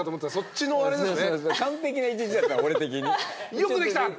よくできたって？